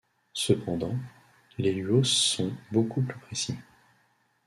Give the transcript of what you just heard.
Cependant, les Luos sont beaucoup plus précis.